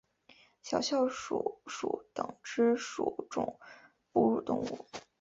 小啸鼠属等之数种哺乳动物。